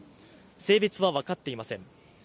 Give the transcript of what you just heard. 性別は分かっていません。